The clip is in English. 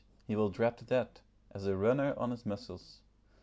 he will dread that, as the runner on his muscles.